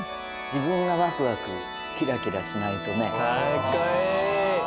自分がワクワクキラキラしないとね。